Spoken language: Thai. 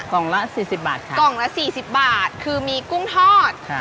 กล่องละสี่สิบบาทค่ะกล่องละสี่สิบบาทคือมีกุ้งทอดค่ะ